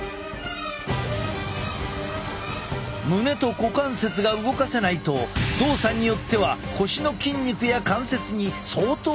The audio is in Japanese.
胸と股関節が動かせないと動作によっては腰の筋肉や関節に相当な負荷がかかってしまう。